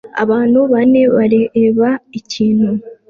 Abantu bane bareba ikintu